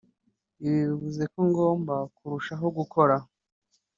ibi bivuze ko ngomba kurushaho gukora